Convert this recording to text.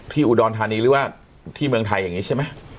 อุดรธานีหรือว่าที่เมืองไทยอย่างนี้ใช่ไหม